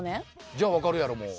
じゃあわかるやろもう。